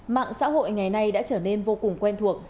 mạng xã hội ngày nay đã trở nên vô cùng quen thuộc